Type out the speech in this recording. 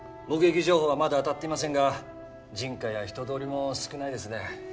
目撃情報はまだあたっていませんが人家や人通りも少ないですね・